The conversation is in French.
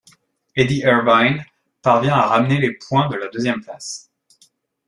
Eddie Irvine parvient à ramener les points de la deuxième place.